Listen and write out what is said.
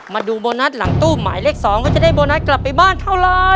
มาดูโบนัสหลังตู้หมายเลข๒ว่าจะได้โบนัสกลับไปบ้านเท่าไร